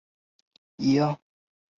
桑蒂利。